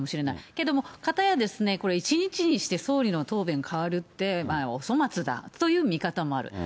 けども、かたや、これ一日にして総理の答弁変わるって、お粗末だという見方もある。